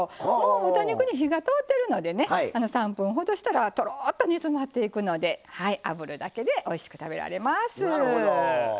豚肉は火が通っているので３分ほどしたら、とろっと煮詰まっていくので脂だけでおいしく食べられます。